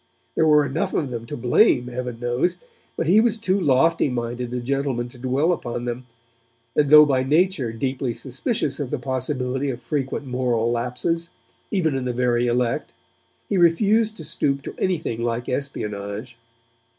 There were enough of them to blame, Heaven knows, but he was too lofty minded a gentleman to dwell upon them, and, though by nature deeply suspicious of the possibility of frequent moral lapses, even in the very elect, he refused to stoop to anything like espionage.